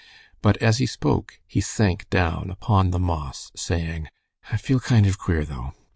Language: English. But as he spoke he sank down upon the moss, saying, "I feel kind of queer, though."